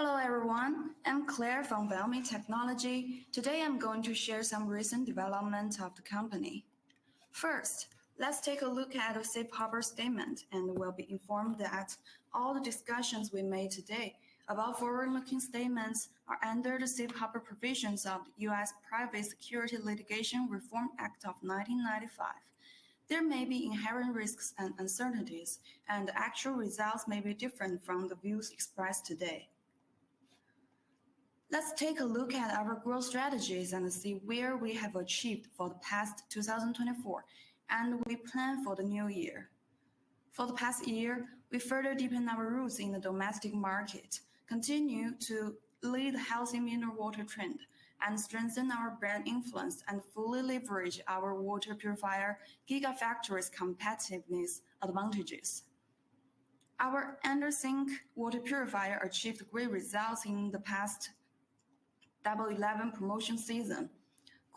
Hello everyone, I'm Claire from Viomi Technology. Today I'm going to share some recent developments of the company. First, let's take a look at the Safe Harbor Statement, and we'll be informed that all the discussions we made today about forward-looking statements are under the Safe Harbor provisions of the U.S. Private Securities Litigation Reform Act of 1995. There may be inherent risks and uncertainties, and the actual results may be different from the views expressed today. Let's take a look at our growth strategies and see where we have achieved for the past 2024, and what we plan for the new year. For the past year, we further deepened our roots in the domestic market, continued to lead the healthy mineral water trend, and strengthened our brand influence and fully leveraged our Water Purifier Gigafactory's competitive advantages. Our under-sink water purifier achieved great results in the past 11 promotion seasons.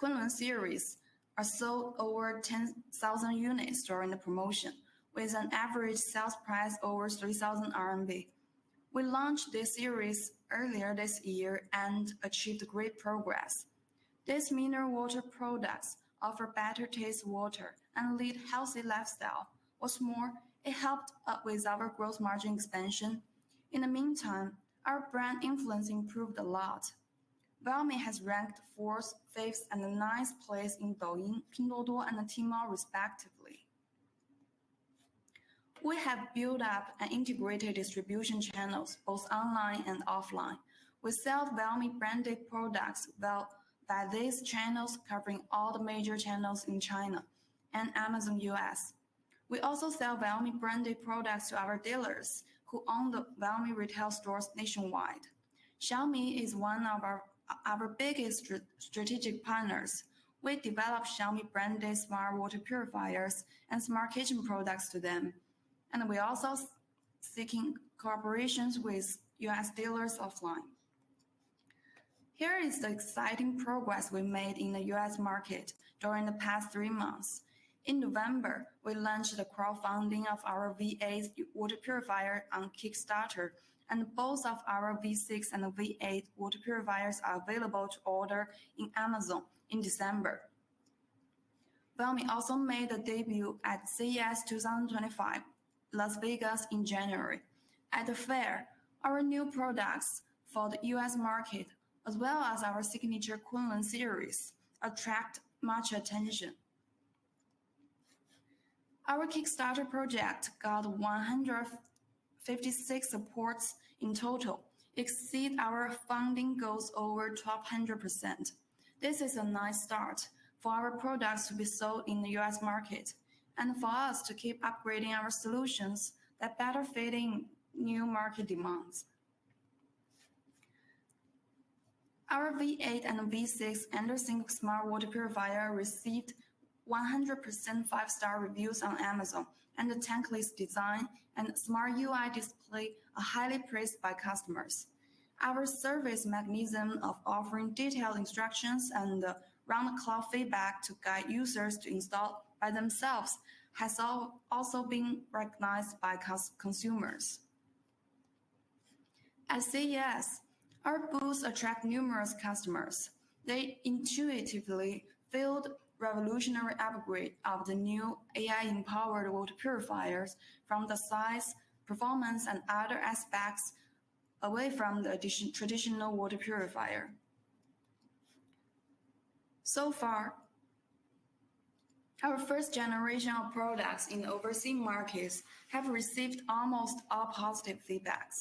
Kunlun Series sold over 10,000 units during the promotion, with an average sales price over 3,000 RMB. We launched this series earlier this year and achieved great progress. These mineral water products offer better taste of water and lead to a healthy lifestyle. What's more, it helped with our gross margin expansion. In the meantime, our brand influence improved a lot. Viomi has ranked fourth, fifth, and ninth place in Douyin, Pinduoduo, and Tmall, respectively. We have built up and integrated distribution channels, both online and offline. We sell Viomi branded products via these channels, covering all the major channels in China and Amazon U.S. We also sell Viomi branded products to our dealers who own the Viomi retail stores nationwide. Xiaomi is one of our biggest strategic partners. We develop Xiaomi branded smart water purifiers and smart kitchen products for them, and we are also seeking collaborations with U.S. dealers offline. Here is the exciting progress we made in the U.S. market during the past three months. In November, we launched the crowdfunding of our V8 water purifier on Kickstarter, and both of our V6 and V8 water purifiers are available to order on Amazon in December. Viomi also made a debut at CES 2025 Las Vegas in January. At the fair, our new products for the U.S. market, as well as our signature Kunlun Series, attracted much attention. Our Kickstarter project got 156 supports in total, exceeding our funding goals by over 1,200%. This is a nice start for our products to be sold in the U.S. market and for us to keep upgrading our solutions that better fit new market demands. Our V8 and V6 under-sink smart water purifier received 100% five-star reviews on Amazon, and the tankless design and smart UI display are highly praised by customers. Our service mechanism of offering detailed instructions and round-the-clock feedback to guide users to install by themselves has also been recognized by consumers. At CES, our booths attract numerous customers. They intuitively feel revolutionary upgrades of the new AI-empowered water purifiers from the size, performance, and other aspects away from the traditional water purifier. So far, our first generation of products in overseas markets has received almost all positive feedback.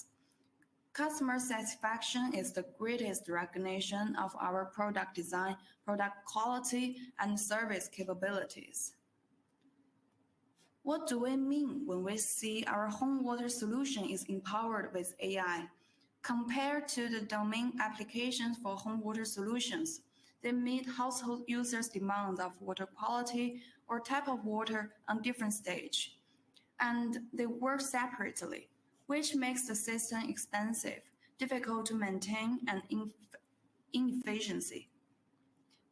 Customer satisfaction is the greatest recognition of our product design, product quality, and service capabilities. What do we mean when we say our home water solution is empowered with AI? Compared to the domain applications for home water solutions, they meet household users' demands of water quality or type of water on different stages, and they work separately, which makes the system expensive, difficult to maintain, and inefficient.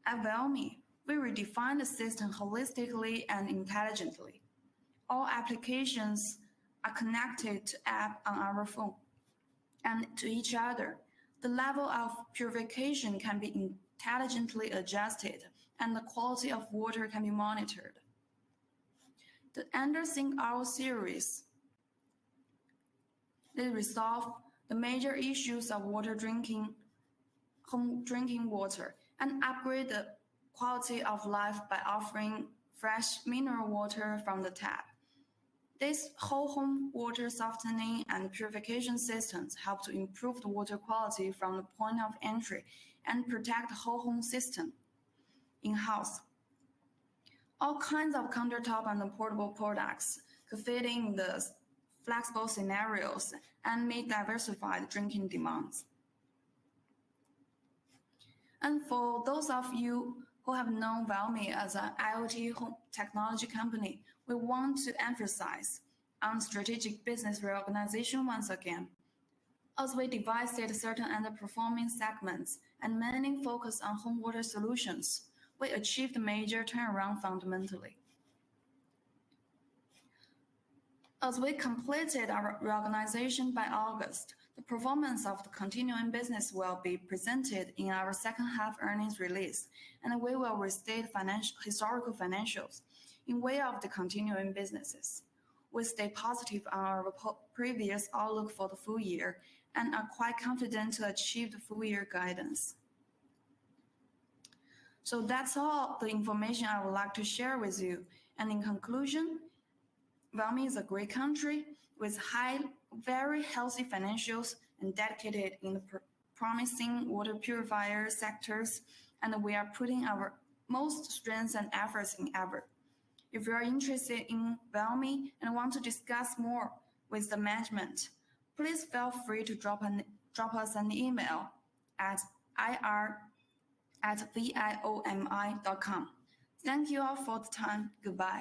At Viomi, we redefine the system holistically and intelligently. All applications are connected to the app on our phone and to each other. The level of purification can be intelligently adjusted, and the quality of water can be monitored. The under-sink RO series resolves the major issues of water drinking home drinking water and upgrades the quality of life by offering fresh mineral water from the tap. These whole home water softening and purification systems help to improve the water quality from the point of entry and protect the whole home system in-house. All kinds of countertop and portable products could fit in the flexible scenarios and meet diversified drinking demands. For those of you who have known Viomi as an IoT technology company, we want to emphasize our strategic business reorganization once again. As we divided certain underperforming segments and mainly focused on home water solutions, we achieved major turnaround fundamentally. As we completed our reorganization by August, the performance of the continuing business will be presented in our second-half earnings release, and we will restate historical financials in way of the continuing businesses. We stay positive on our previous outlook for the full year and are quite confident to achieve the full-year guidance. That's all the information I would like to share with you. In conclusion, Viomi is a great company with very healthy financials and dedicated in the promising water purifier sectors, and we are putting our most strengths and efforts in effort. If you are interested in Viomi and want to discuss more with the management, please feel free to drop us an email at ir@viomi.com. Thank you all for the time. Goodbye.